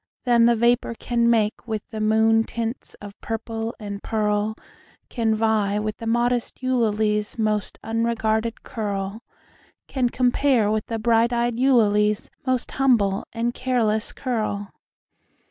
That the vapor can make With the moon tints of purple and pearl, Can vie with the modest Eulalie's most unregarded curl Can compare with the bright eyed Eulalie's most humble and careless curl.